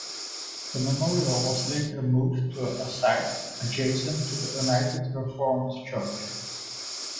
The memorial was later moved to a site adjacent to the United Reformed Church.